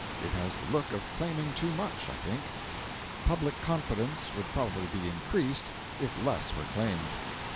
It has the look of claiming too much, I think. Public confidence would probably be increased if less were claimed.